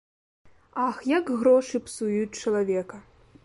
Ах, як грошы псуюць чалавека!